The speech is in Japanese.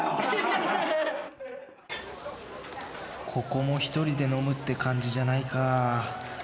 ここも一人で飲むって感じじゃないか